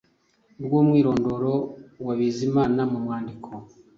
rwumwirondoro wa Bizimana mumwandiko